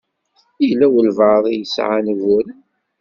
Yella walebɛaḍ i yesɛan uguren.